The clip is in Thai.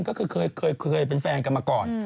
ก็คือเคยเป็นแฟนกันมาก่อน